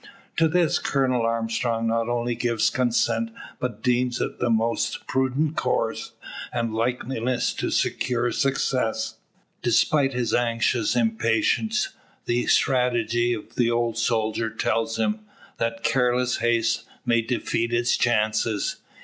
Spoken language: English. To this Colonel Armstrong not only gives consent, but deems it the most prudent course, and likeliest to secure success. Despite his anxious impatience, the strategy of the old soldier tells him, that careless haste may defeat its chances.